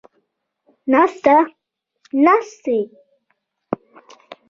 ناسته ، ناستې